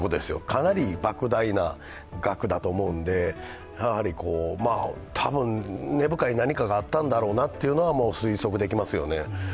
かなりばく大な額だと思うのでたぶん、根深い何かがあったんだろうなということは推測できますよね。